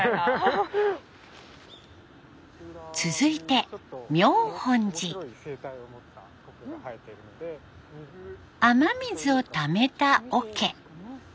続いて雨水をためたおけ。